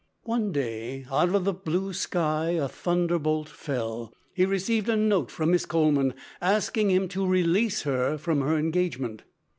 One day, out of the blue sky a thunderbolt fell. He received a note from Miss Coleman asking him to release her from her engagement.